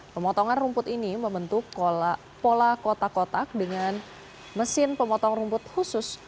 pemotongan rumput ini membentuk pola kotak kotak dengan mesin pemotong rumput khusus